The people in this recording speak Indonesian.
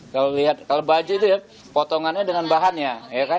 kalau lihat kalau baju itu ya potongannya dengan bahannya